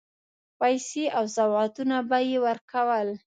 پیسې او سوغاتونه به یې ورکول.